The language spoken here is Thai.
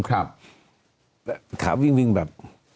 ถามวิ่งแบบ